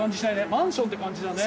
マンションって感じだね。